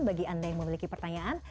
bagi anda yang memiliki pertanyaan